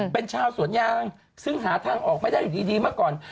เป็นชาวสวนยางซึ่งหาทางออกไม่ได้อยู่ดีเมื่อก่อน